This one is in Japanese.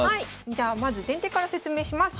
じゃあまず前提から説明します。